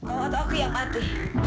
oh aku yang mati